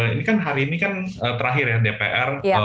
ini kan hari ini kan terakhir ya dpr